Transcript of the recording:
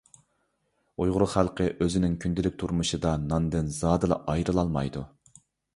ئۇيغۇر خەلقى ئۆزىنىڭ كۈندىلىك تۇرمۇشىدا ناندىن زادىلا ئايرىلالمايدۇ.